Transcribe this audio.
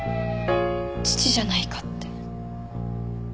父じゃないかって。